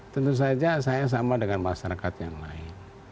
tentu saja saya sama dengan masyarakat yang lain